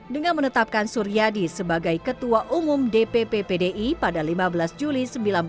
dengan menetapkan suryadi sebagai ketua umum dpp pdi pada lima belas juli seribu sembilan ratus empat puluh